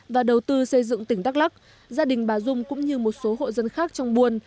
và đầu tư xây dựng tỉnh đắk lắc gia đình bà dung cũng như một số hộ dân khác trong buôn